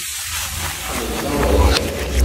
Qleb tawṛiqt.